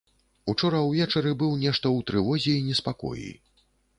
Учора ўвечары быў нешта ў трывозе і неспакоі.